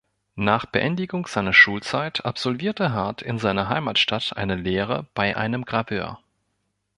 Nach Beendigung seiner Schulzeit absolvierte Hart in seiner Heimatstadt eine Lehre bei einem Graveur.